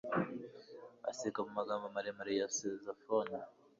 aseka mumagambo maremare ya saxofone